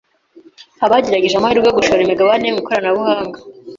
abagerageje amahirwe yo gushora imigabane mu ikoranabuhanga